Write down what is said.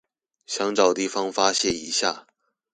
想找地方發洩一下